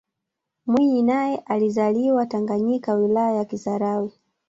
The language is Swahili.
mwinyi naye alizaliwa tanganyika wilaya ya kisarawe